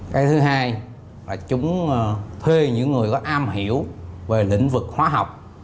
cái thứ hai là chúng thuê những người có am hiểu về lĩnh vực hóa học